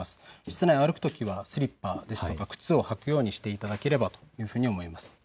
室内を歩くときはスリッパですとか靴を履くようにしていただければというふうに思います。